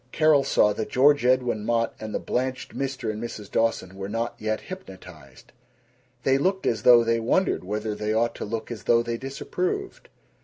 Carol saw that George Edwin Mott and the blanched Mr. and Mrs. Dawson were not yet hypnotized. They looked as though they wondered whether they ought to look as though they disapproved.